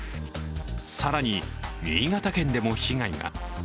更に、新潟県でも被害が。